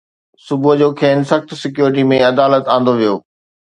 صبح جو کين سخت سيڪيورٽي ۾ عدالت آندو ويو